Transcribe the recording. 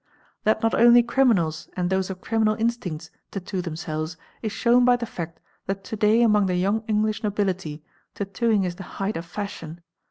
' That not only criminals and those of criminal instincts tattoo them selves is shown by the fact that to day among the young English nobility tattooing is the height of fashion.